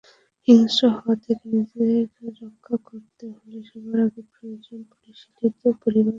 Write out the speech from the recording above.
হিংস্র হওয়া থেকে নিজেদের রক্ষা করতে হলে সবার আগে প্রয়োজন পরিশীলিত পারিবারিক কাঠামো।